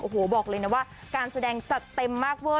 โอ้โหบอกเลยนะว่าการแสดงจัดเต็มมากเวอร์